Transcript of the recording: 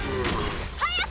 早く！